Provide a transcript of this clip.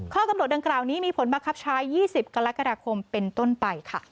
ข้อกำหนดดังกล่าวนี้มีผลมาครับชาย๒๐กรกษเป็นต้นไป